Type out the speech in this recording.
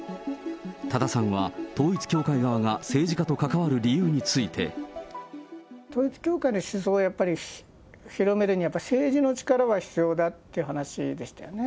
多田さんは、統一教会側が政治家と関わる理由について。統一教会の思想をやっぱり広めるには、政治の力が必要だっていう話でしたよね。